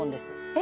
え？